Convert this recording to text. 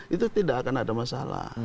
itu tidak akan ada masalah